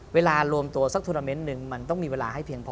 เวลารวมตัวสักทวนาเมนต์หนึ่งมันต้องมีเวลาให้เพียงพอ